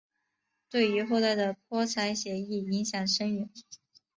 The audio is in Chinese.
对于后代的泼彩写意影响深远。